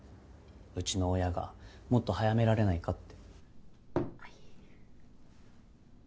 うちの親がもっと早められないかって。